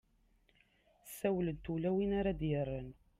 ssawlent ula win ara ad-yerren